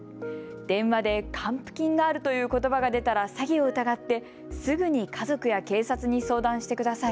電話で還付金があるということばが出たら詐欺を疑ってすぐに家族や警察に相談してください。